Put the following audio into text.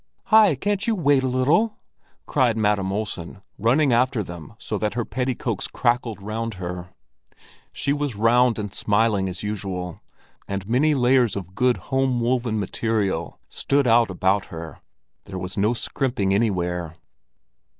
"Hi, can't you wait a little!" cried Madam Olsen, running after them so that her petticoats crackled round her. She was round and smiling as usual, and many layers of good home woven material stood out about her; there was no scrimping anywhere.